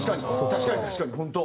確かに確かに本当。